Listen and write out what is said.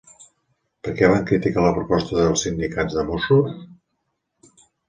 Per què van criticar la proposta els sindicats de Mossos?